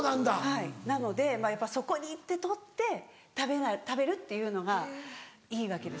はいなのでやっぱそこに行って採って食べるっていうのがいいわけですね。